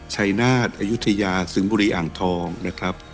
ชัยนาฏอายุทยาสิงห์บุรีอ่างทองนะครับ